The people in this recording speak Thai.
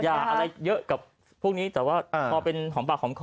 อะไรเยอะกับพวกนี้แต่ว่าพอเป็นหอมปากหอมคอ